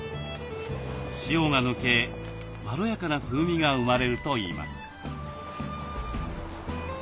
塩が抜けまろやかな風味が生まれるといいます。